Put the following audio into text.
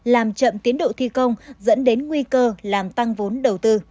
làm chậm tiến độ thi công dẫn đến nguy cơ làm tăng vốn đầu tư